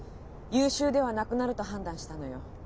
「優秀ではなくなる」と判断したのよ。